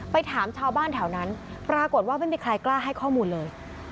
ถามชาวบ้านแถวนั้นปรากฏว่าไม่มีใครกล้าให้ข้อมูลเลย